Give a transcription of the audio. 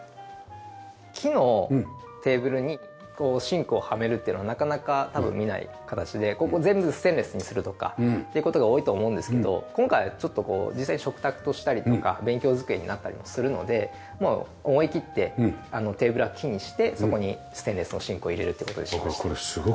木のテーブルにシンクをはめるっていうのはなかなか多分見ない形でここ全部ステンレスにするとかっていう事が多いと思うんですけど今回ちょっとこう実際食卓としたりとか勉強机になったりもするのでもう思いきってテーブルは木にしてそこにステンレスのシンクを入れるって事にしました。